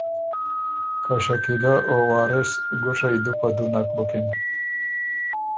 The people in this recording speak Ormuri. که شکیلۀ او وارث ګُوشئ دُو په دُو نک بُکِن۔